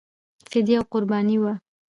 فدیه او قرباني وه.